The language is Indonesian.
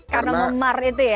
karena memar itu ya